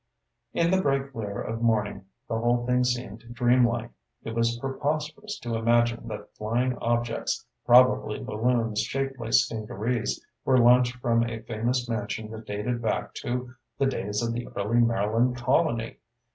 In the bright glare of morning, the whole thing seemed dreamlike. It was preposterous to imagine that flying objects, probably balloons shaped like stingarees, were launched from a famous mansion that dated back to the days of the early Maryland colony.